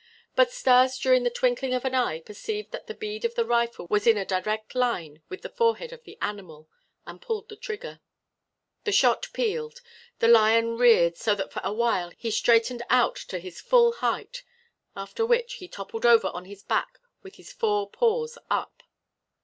But Stas, during the twinkling of an eye, perceived that the bead of the rifle was in a direct line with the forehead of the animal and pulled the trigger. The shot pealed. The lion reared so that for a while he straightened out to his full height; after which he toppled over on his back with his four paws up.